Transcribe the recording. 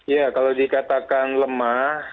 ya kalau dikatakan lemah